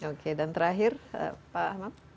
oke dan terakhir pak ahmad